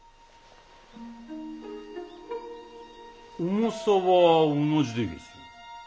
重さは同じでげす。